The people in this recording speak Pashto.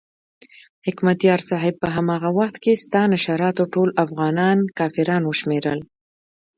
حکمتیار صاحب په هماغه وخت کې ستا نشراتو ټول افغانان کافران وشمېرل.